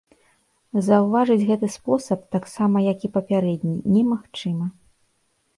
Заўважыць гэты спосаб, таксама як і папярэдні, немагчыма.